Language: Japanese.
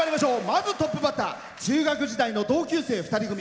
まず、トップバッター中学時代の同級生２人組。